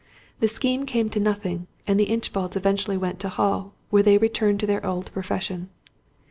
The scheme came to nothing, and the Inchbalds eventually went to Hull, where they returned to their old profession.